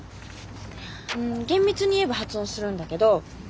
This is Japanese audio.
うん厳密に言えば発音するんだけどえっと